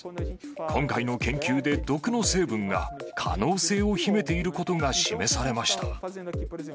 今回の研究で毒の成分が可能性を秘めていることが示されました。